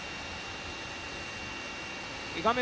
画面